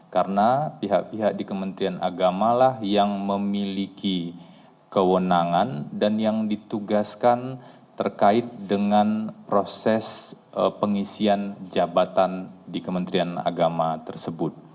karena pihak pihak di kementerian agamalah yang memiliki kewenangan dan yang ditugaskan terkait dengan proses pengisian jabatan di kementerian agama tersebut